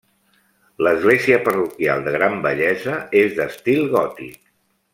L'església parroquial, de gran bellesa, és d'estil gòtic.